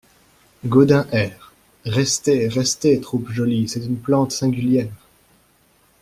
Gaudin Air : Restez, restez, troupe jolie C’est une plante singulière…